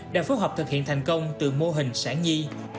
đã phối hợp thực hiện thành công từ mô hình sản nhi